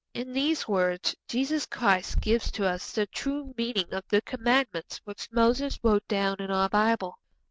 In these words Jesus Christ gives to us the true meaning of the Commandments which Moses wrote down in our Bible.